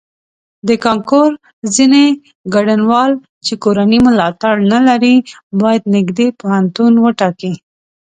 د کانکور ځینې ګډونوال چې کورنی ملاتړ نه لري باید نږدې پوهنتون وټاکي.